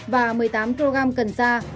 và một mươi tám kg cần ra